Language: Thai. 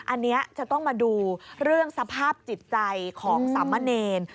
อันนี้จะต้องมาดูเรื่องสภาพจิตใจของสามะเนร